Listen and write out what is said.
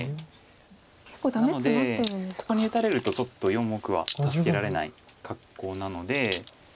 なのでここに打たれるとちょっと４目は助けられない格好なので。